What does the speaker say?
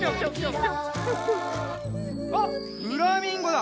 あっフラミンゴだ！